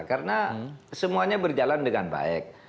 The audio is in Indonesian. karena semuanya berjalan dengan baik